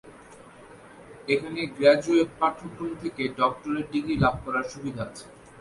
এখানে গ্রাজুয়েট পাঠ্যক্রম থেকে ডক্টরেট ডিগ্রী লাভ করবার সুবিধা আছে।